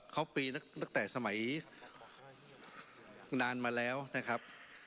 เขาปีตั้งแต่สมัยนานมาแล้วนะครับ